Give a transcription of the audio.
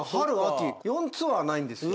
４ツアーないんですよ。